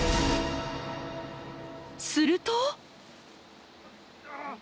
すると。